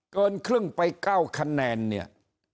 เกินครึ่งไป๙คะแนนเนี่ย